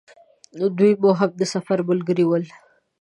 دوی مو هم د سفر ملګري ول.